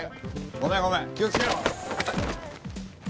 ごめんごめん気をつけろ！